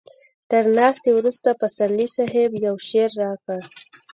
تر ناستې وروسته پسرلي صاحب يو شعر راکړ.